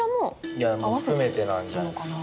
いやもう含めてなんじゃないですかね。